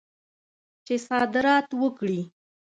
چې صادرات وکړي.